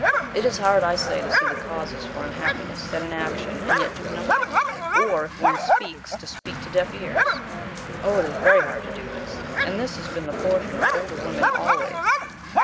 It is hard, I say, to see the causes for unhappiness set in action and yet do nothing, or, if one speaks, to speak to deaf ears. Oh, it is very hard to do this, and this has been the portion of older women always.